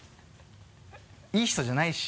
いい人じゃないし。